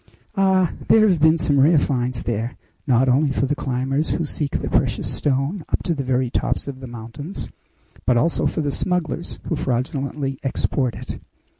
Ah! there have been some rare finds there, not only for the climbers who seek the precious stone up to the very tops of the mountains, but also for the smugglers who fraudulently export it.